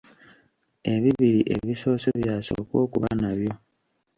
Ebibiri ebisoose by'osooka okuba nabyo.